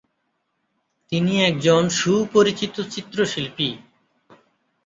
তিনি একজন সুপরিচিত চিত্রশিল্পী।